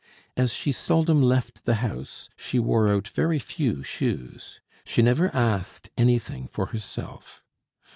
As she seldom left the house she wore out very few shoes. She never asked anything for herself.